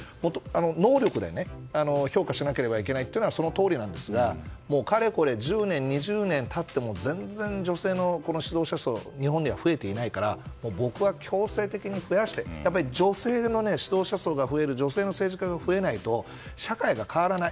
能力で評価しなければいけないというのはそのとおりなんですがかれこれ１０年、２０年経っても全然、女性の指導者数日本には増えていないから僕は強制的に増やして女性の指導者数が増える女性の政治家が増えないと社会が変わらない。